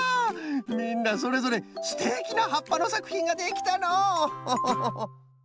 みんなそれぞれすてきなはっぱのさくひんができたのうホホホ。